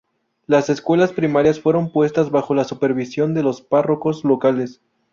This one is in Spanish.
Las escuelas primarias fueron puestas bajo la supervisión de los párrocos locales.